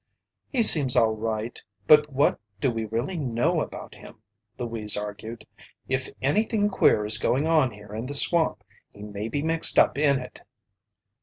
"He seems all right, but what do we really know about him?" Louise argued. "If anything queer is going on here in the swamp, he may be mixed up in it!"